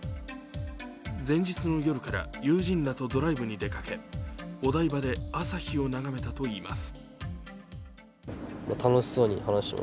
前日の夜から友人らとドライブに出かけ、お台場で朝日を眺めたといいます。